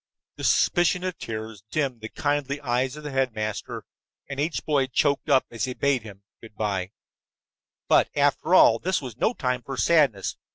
The suspicion of tears dimmed the kindly eyes of the headmaster, and each boy choked up as he bade him good by. But, after all, this was no time for sadness.